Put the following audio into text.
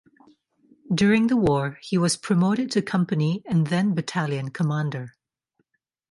During the war he was promoted to company and then battalion commander.